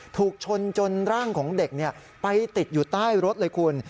ถูกชนจนร่างของเด็กไปติดอยู่ใต้รถเลยคุณ